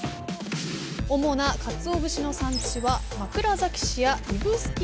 主なかつお節の産地は枕崎市や指宿市。